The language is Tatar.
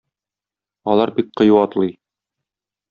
Алар бик кыю атлый.